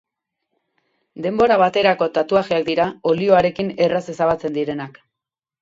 Denbora baterako tatuajeak dira, olioarekin erraz ezabatzen direnak.